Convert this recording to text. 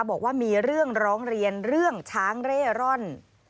บอกว่ามีเรื่องร้องเรียนเรื่องช้างเร่ร่อน